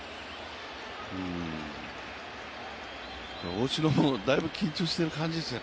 大城もだいぶ緊張してる感じですね。